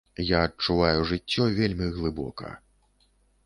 Я адчуваю жыццё вельмі глыбока.